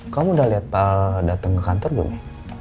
kamu udah lihat pak datang ke kantor belum ya